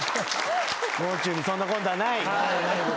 もう中にそんなコントはない？